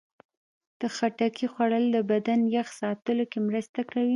د خټکي خوړل د بدن یخ ساتلو کې مرسته کوي.